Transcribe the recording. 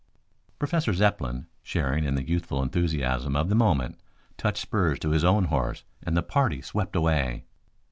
Professor Zepplin, sharing in the youthful enthusiasm of the moment, touched spurs to his own horse and the party swept away.